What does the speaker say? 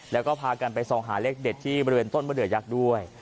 แล้วก็พากันไปส่องหาเลขเด็ดที่บริเวณต้นมะเดือยักษ์ด้วย